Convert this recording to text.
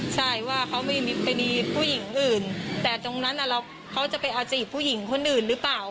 ใช่ว่าเขาไปมีผู้หญิงอื่นแต่ตรงนั้นเขาจะไปเอาจีบผู้หญิงคนอื่นหรือเปล่า